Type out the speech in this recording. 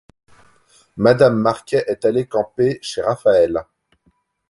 Madame Marquet est allé camper chez Raphaëlle.